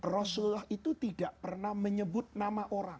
rasulullah itu tidak pernah menyebut nama orang